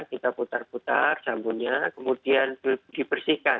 kita putar putar sabunnya kemudian dipersihkan ya bunggung tangan kiri kemudian bunggung tangan kanan